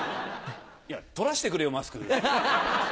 取らしてくれよマスク。